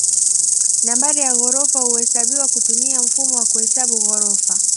Nambari ya ghorofa huhesabiwa kutumia mfumo wa kuhesabu ghorofa.